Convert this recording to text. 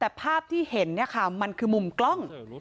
แต่ภาพที่เห็นมันคือมุมกล้อง